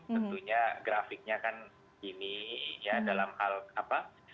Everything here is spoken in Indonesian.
tentunya grafiknya kan ini ya dalam hal apa